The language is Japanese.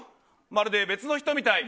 まるで別の人みたい。